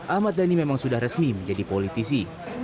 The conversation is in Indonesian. ahmad dhani memang sudah resmi menjadi politisi